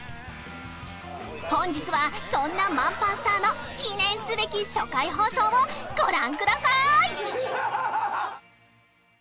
本日はそんな『満パンスター』の記念すべき初回放送をご覧ください！